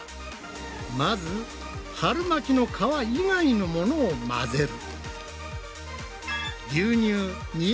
まず春巻きの皮以外のものを混ぜる。